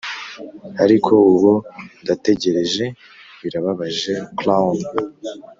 ariko ubu ndategereje, birababaje clown,